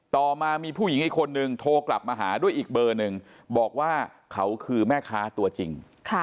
ต่อมามีผู้หญิงอีกคนนึงโทรกลับมาหาด้วยอีกเบอร์หนึ่งบอกว่าเขาคือแม่ค้าตัวจริง